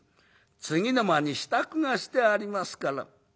次の間に支度がしてありますから』」。